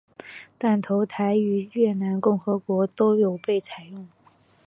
断头台于越南共和国都有被采用。